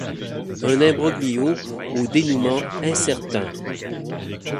Un imbroglio au dénouement incertain…